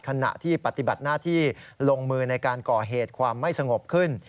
ขณะที่ปฏิบัติหน้าที่ลงมือในการก่อเหตุความไม่สงบขึ้น